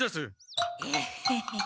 ヘヘヘヘ。